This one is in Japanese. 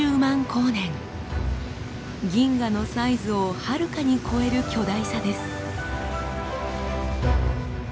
銀河のサイズをはるかに超える巨大さです。